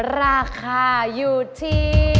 ราคาอยู่ที่